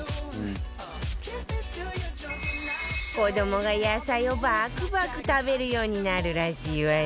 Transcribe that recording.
子どもが野菜をバクバク食べるようになるらしいわよ